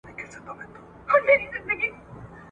پاچا اعلیحضرت غازي امان الله خان نوم نه سي یادولای !.